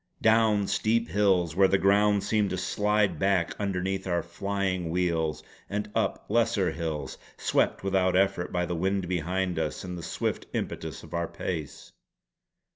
Down steep hills where the ground seemed to slide back underneath our flying wheels, and up lesser hills, swept without effort by the wind behind us and the swift impetus of our pace.